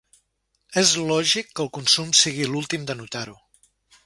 És lògic que el consum sigui l’últim de notar-ho.